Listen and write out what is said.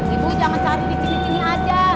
ibu jangan cari disini sini aja